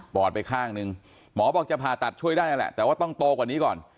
อดไปข้างหนึ่งหมอบอกจะผ่าตัดช่วยได้นั่นแหละแต่ว่าต้องโตกว่านี้ก่อน